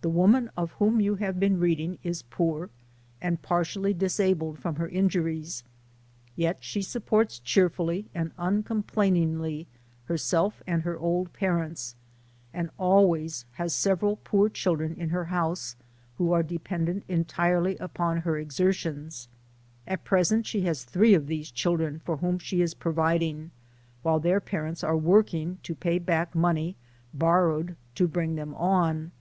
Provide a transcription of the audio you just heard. This woman of whom you have been reading is poor, and partially disabled from her injuries ; yet she supports cheerfully and uncomplainingly her self and her old parents, and always has several poor children in her house, who are dependent en tirely upon her exertions. At present she has three of these children for whom she is providing, while their parents are working to pay back money bor rowed to bring them on.